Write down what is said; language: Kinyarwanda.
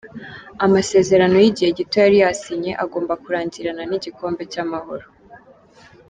Amasezerano y’igihe gito yari yasinye agomba kurangirana n’igikombe cy’Amahoro.